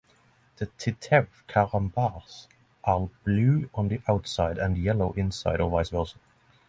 The Titeuf Carambars are blue on the outside and yellow inside or vice versa.